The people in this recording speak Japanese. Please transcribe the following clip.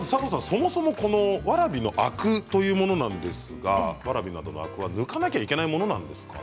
そもそもわらびのアクというものなんですがわらびなどのアクは抜かなきゃいけないものなんですか？